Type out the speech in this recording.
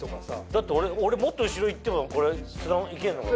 だって俺もっと後ろ行ってもこれいけんのかな？